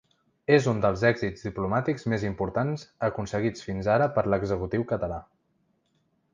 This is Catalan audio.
És un dels èxits diplomàtics més importants aconseguits fins ara per l’executiu català.